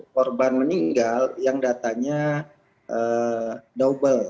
korban meninggal yang datanya double